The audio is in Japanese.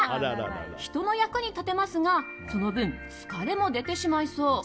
人の役に立てますがその分、疲れも出てしまいそう。